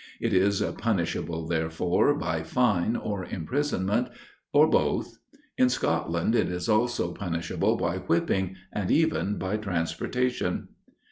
It is punishable, therefore, by fine or imprisonment, or both: In Scotland, it is also punishable by whipping, and even by transportation.